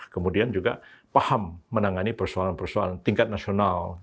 kemudian juga paham menangani persoalan persoalan tingkat nasional